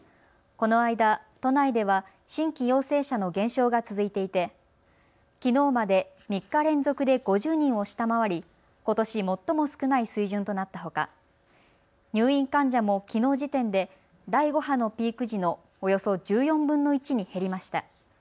この間、都内では新規陽性者の減少が続いていてきのうまで３日連続で５０人を下回りことし最も少ない水準となったほか入院患者もきのう時点で第５波のピーク時のおよそ１４分の１に減りました。